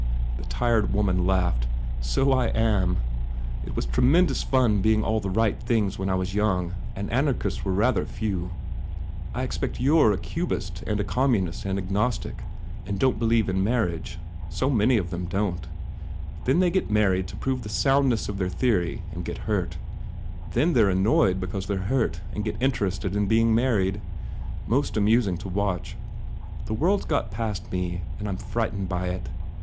The tired woman laughed, "So I am. ... It was tremendous fun being all the right things 120 MARGOT when I was young and anarchists were rather few. I expect you re a cubist and a communist and ag nostic and don t believe in marriage. So many of them don t. Then they get married to prove the soundness of their theory and get hurt; then they re annoyed because they re hurt and get in terested in being married. Most amusing to watch. ... The world s got past me and I m frightened by it.